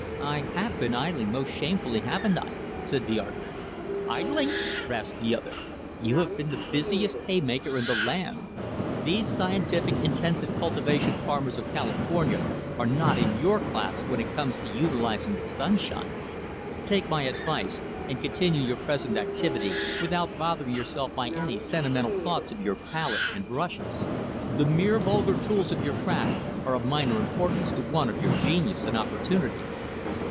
"I have been idling most shamefully, haven't I?" said the artist. "Idling!" rasped the other. "You have been the busiest hay maker in the land. These scientific, intensive cultivation farmers of California are not in your class when it comes to utilizing the sunshine. Take my advice and continue your present activity without bothering yourself by any sentimental thoughts of your palette and brushes. The mere vulgar tools of your craft are of minor importance to one of your genius and opportunity."